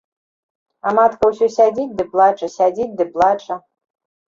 А матка ўсё сядзіць ды плача, сядзіць ды плача.